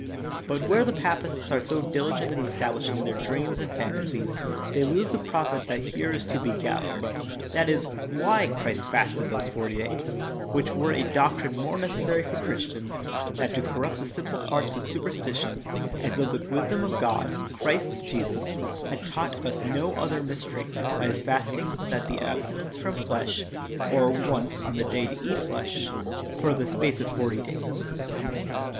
'' But where the papists are so diligent in estab lishing their dreams and fantasies, they lose the profit that here is to be gathered — that is, why Christ fasted those forty days; which were a doctrine more necessary for Christians that to corrupt the simple hearts with superstition, as tho the wisdom of God, Christ Jesus, had taught us no other mystery by His fasting that the absti nence from flesh, or once on the day to eat flesh, for the space of forty days.